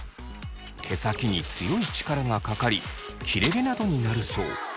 毛先に強い力がかかり切れ毛などになるそう。